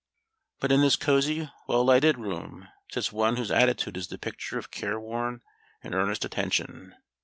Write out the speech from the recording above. ] But in this cozy, well lighted room, sits one whose attitude is the picture of careworn and earnest attention.